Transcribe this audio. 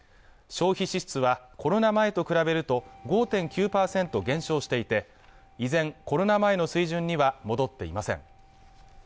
消費支出はコロナ前と比べると５．９％減少していて依然コロナ前の水準には戻っていません